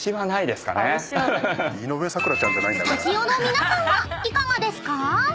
［スタジオの皆さんはいかがですか？］